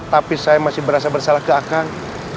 tapi saya masih merasa bersalah ke akan